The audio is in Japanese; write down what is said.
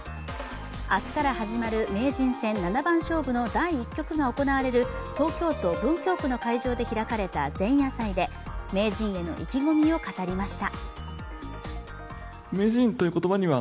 明日から始まる名人戦・七番勝負の第一局が行われる東京都文京区の会場で開かれた前夜祭で名人への意気込みを語りました。